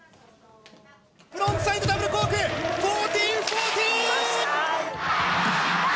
フロントサイドダブルコーク１４４０。